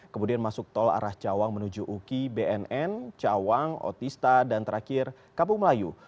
kemudian masuk tol arah cawang menuju uki bnn cawang otista dan terakhir kampung melayu